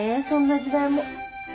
そんな時代も。